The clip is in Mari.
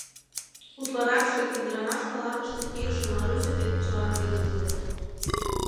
Утларакше ӱдырамаш палатыште кийыше Маруся деч чылан лӱдыт ыле.